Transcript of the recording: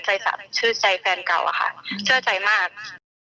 ชื่นใจแฟนเก่าอะค่ะเชื่อใจมาก